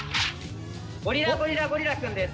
ゴリラ・ゴリラ・ゴリラくんです！